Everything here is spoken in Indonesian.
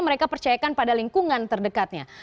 mereka percayakan pada lingkungan terdekatnya